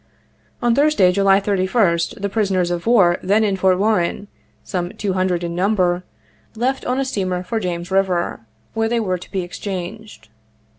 On Thursday, July 31st, the prisoners of war then in Fort Warren, some two hundred in number, left on a steamer for James River, where they were to be exchanged.